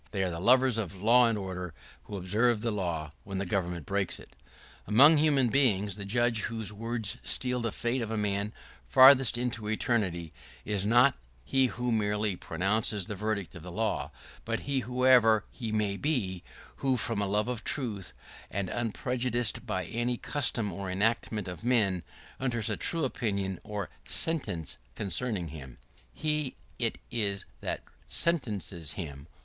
They are the lovers of law and order who observe the law when the government breaks it. [¶22] Among human beings, the judge whose words seal the fate of a man furthest into eternity is not he who merely pronounces the verdict of the law, but he, whoever he may be, who, from a love of truth, and unprejudiced by any custom or enactment of men, utters a true opinion or sentence concerning him. He it is that sentences him.